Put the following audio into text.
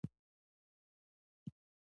د افغانانو له مذهبي اعتقاداتو سره توهمات ګډ دي.